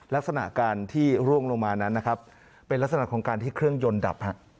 ลักษณะการที่ร่วงลงมานั้นนะครับเป็นลักษณะของการที่เครื่องยนต์ดับ